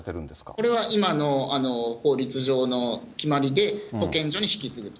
これは今の法律上の決まりで、保健所に引き継ぐと。